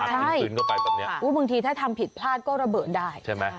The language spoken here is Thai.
ใช่ก็ไปแบบเนี้ยอุ้ยบางทีถ้าทำผิดพลาดก็ระเบิดได้ใช่ไหม